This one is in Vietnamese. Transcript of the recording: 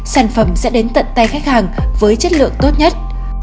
sản phẩm sẽ đến tận tay khách hàng với chất lượng tốt nhất